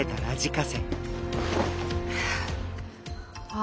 あ！